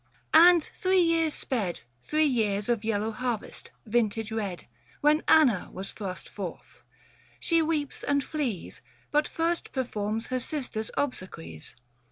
And three years sped Three years of yellow harvest, vintage red, When Anna was thrust forth : she weeps and flees 605 But first performs her sister's obsequies.